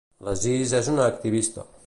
L'Aziz és una activista.